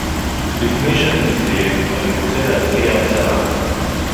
לפני שאני מסיים אני רוצה להציע הצעה